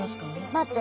待って。